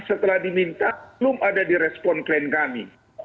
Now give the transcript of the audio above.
setelah diminta belum ada di respon klien kami